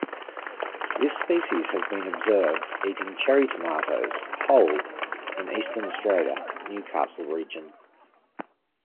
This species has been observed eating cherry tomatoes, whole, in eastern Australian, Newcastle region.